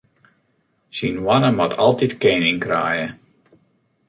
Syn hoanne moat altyd kening kraaie.